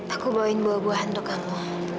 aku bawain buah buahan untuk kamu